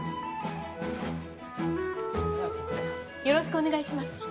よろしくお願いします。